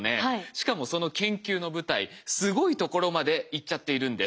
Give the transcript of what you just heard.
しかもその研究の舞台すごいところまで行っちゃっているんです。